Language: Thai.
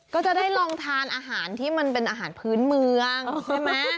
ก็จะได้ลองทานอาหารที่มันเป็นอาหารพื้นเมืองใช่ไหม